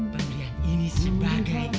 pembelian ini sebagai